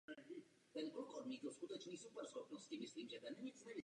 Najít se dá jistě i mnoho dalších příkladů.